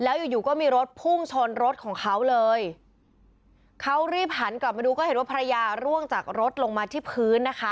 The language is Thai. แล้วอยู่อยู่ก็มีรถพุ่งชนรถของเขาเลยเขารีบหันกลับมาดูก็เห็นว่าภรรยาร่วงจากรถลงมาที่พื้นนะคะ